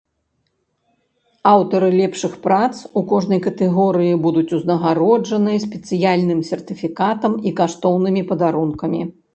Аўтары лепшых прац у кожнай катэгорыі будуць узнагароджаны спецыяльным сертыфікатам і каштоўнымі падарункамі.